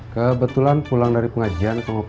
kebetulan pulang dari pengajian